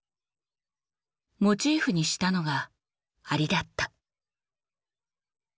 モチーフにしたのが蟻だった。